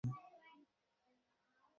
কোনো ভয়েসের ব্যাপারে তো আমি কিছু বলি নাই।